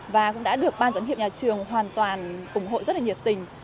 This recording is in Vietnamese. và cũng đã được ban dẫn hiệp nhà trường hoàn toàn ủng hộ rất là nhiệt tình